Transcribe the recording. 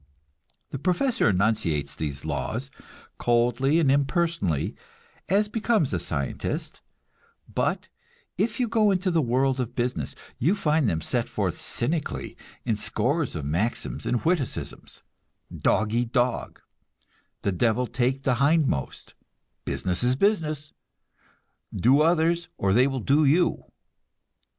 The professor enunciates these "laws," coldly and impersonally, as becomes the scientist; but if you go into the world of business, you find them set forth cynically, in scores of maxims and witticisms: "Dog eat dog," "the devil take the hindmost," "business is business," "do others or they will do you."